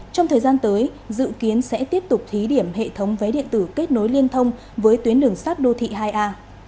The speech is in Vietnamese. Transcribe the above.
trong thời gian tới dự kiến sẽ tiếp tục thí điểm hệ thống vé điện tử kết nối liên thông với tuyến đường sát đô thị hai a